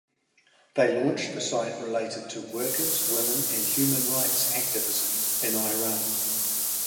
They launched the site related to workers, women and human rights activism in Iran.